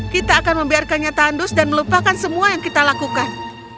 kita akan membiarkannya tandus dan melupakan semua yang kita lakukan